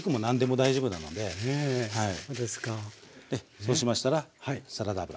そうしましたらサラダ油。